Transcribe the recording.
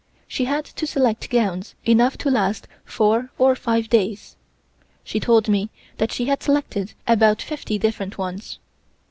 She had to select gowns enough to last four or five days. She told me that she had selected about fifty different ones.